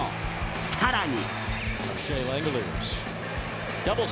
更に。